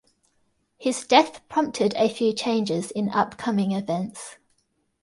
His death prompted a few changes in upcoming events.